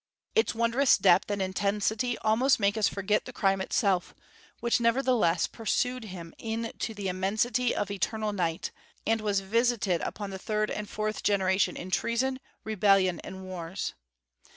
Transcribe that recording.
Its wondrous depth and intensity almost make us forget the crime itself, which nevertheless pursued him into the immensity of eternal night, and was visited upon the third and fourth generation in treason, rebellion, and wars.